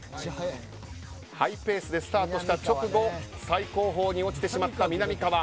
ハイペースでスタートした直後最後方に落ちてしまったみなみかわ。